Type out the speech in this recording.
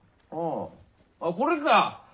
ああこれか。